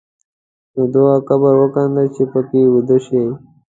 نو دوه قبره وکینده چې په کې ویده شې.